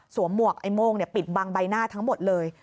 หมวกไอ้โม่งปิดบังใบหน้าทั้งหมดเลย